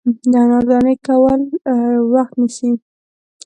د انار دانې کول وخت نیسي.